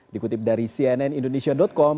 dikutip dari cnnindonesia com